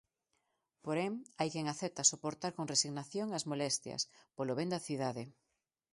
Porén, hai quen acepta soportar con resignación as molestias, polo ben da cidade.